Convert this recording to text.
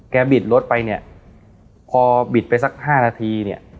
บิดรถไปเนี่ยพอบิดไปสัก๕นาทีเนี่ย